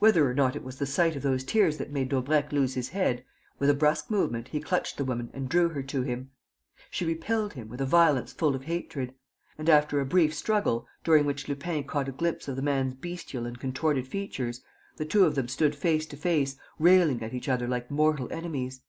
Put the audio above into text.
Whether or not it was the sight of those tears that made Daubrecq lose his head, with a brusque movement he clutched the woman and drew her to him. She repelled him, with a violence full of hatred. And, after a brief struggle, during which Lupin caught a glimpse of the man's bestial and contorted features, the two of them stood face to face, railing at each other like mortal enemies.